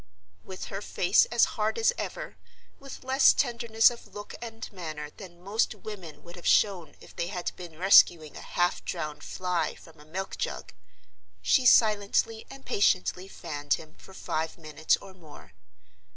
With her face as hard as ever—with less tenderness of look and manner than most women would have shown if they had been rescuing a half drowned fly from a milk jug—she silently and patiently fanned him for five minutes or more.